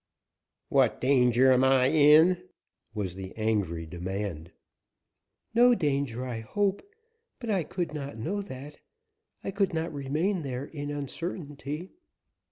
"What danger am I in?" was the angry demand. "No danger, I hope, but I could not know that. I could not remain there in uncertainty.